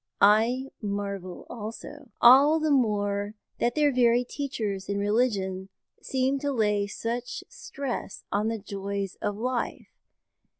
I marvel also; all the more that their very teachers in religion seem to lay such stress on the joys of life.